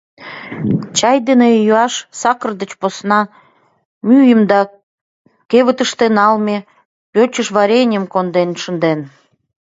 Чай дене йӱаш, сакыр деч посна, мӱйым да кевытыште налме пӧчыж вареньым конден шынден.